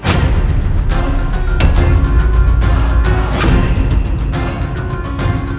yaitu tombah tulung agung